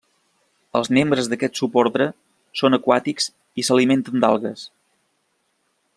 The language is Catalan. Els membres d'aquest subordre són aquàtics i s'alimenten d'algues.